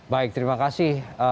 baik terima kasih